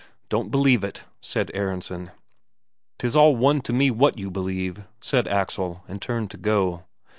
"Don't believe it," said Aronsen. "'Tis all one to me what you believe," said Axel, and turned to go.